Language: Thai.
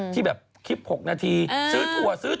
ที่แบบคลิป๖นาทีซื้อถั่วซื้อ